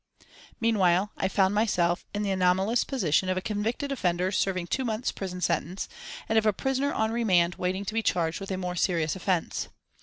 Meanwhile, I found myself in the anomalous position of a convicted offender serving two months' prison sentence, and of a prisoner on remand waiting to be charged with a more serious offence.